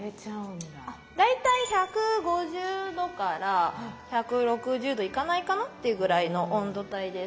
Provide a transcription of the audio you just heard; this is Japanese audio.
大体１５０１６０℃いかないかなっていうぐらいの温度帯です。